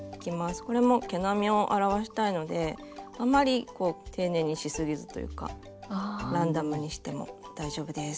これも毛並みを表したいのであんまり丁寧にしすぎずというかランダムにしても大丈夫です。